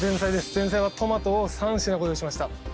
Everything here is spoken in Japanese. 前菜はトマトを３品ご用意しました